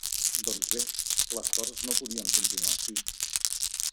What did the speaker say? Doncs bé, les coses no podien continuar així.